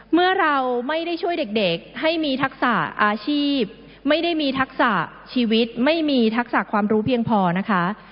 เมื่อเราไม่ได้ช่วยเด็กให้มีทักษะอาชีพไม่ได้มีทักษะชีวิตไม่มีทักษะความรู้เพียงพอนะคะ